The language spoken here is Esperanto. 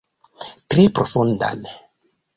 Tre profundan.